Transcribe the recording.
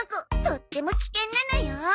とっても危険なのよ。